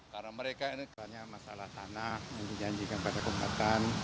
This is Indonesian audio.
karena mereka ini masalah tanah yang dijanjikan pada kombatan